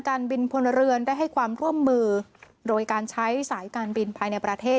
การบินพลเรือนได้ให้ความร่วมมือโดยการใช้สายการบินภายในประเทศ